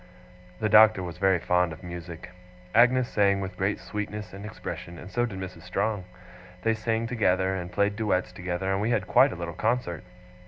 The Doctor was very fond of music. Agnes sang with great sweetness and expression, and so did Mrs. Strong. They sang together, and played duets together, and we had quite a little concert.